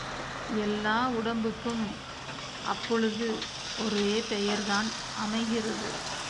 எல்லா உடம்புக்கும் அப்பொழுது ஒரே பெயர்தான் அமைகிறது.